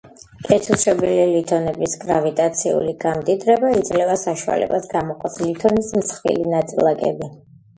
კეთილშობილი ლითონების გრავიტაციული გამდიდრება იძლევა საშუალებას გამოყოს ლითონის მსხვილი ნაწილაკები.